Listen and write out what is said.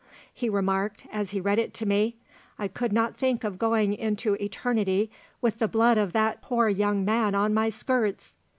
He remarked, as he read it to me, "I could not think of going into eternity with the blood of that poor young man on my skirts."